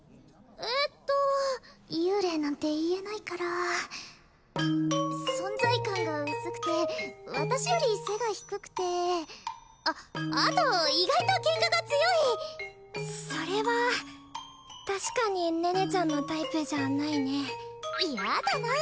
えっと幽霊なんて言えないから存在感が薄くて私より背が低くてあっあと意外とケンカが強いそれは確かに寧々ちゃんのタイプじゃないね嫌だな